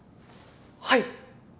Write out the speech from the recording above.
はい。